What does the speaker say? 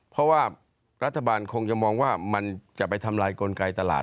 เพราะว่ารัฐบาลคงจะมองว่ามันจะไปทำลายกลไกตลาด